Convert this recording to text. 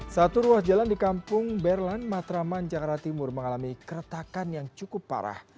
satu ruas jalan di kampung berlan matraman jakarta timur mengalami keretakan yang cukup parah